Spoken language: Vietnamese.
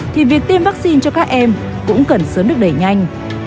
thì việc tiêm vaccine cho các em cũng cần sớm được đẩy nhanh